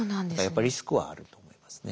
やっぱりリスクはあると思いますね。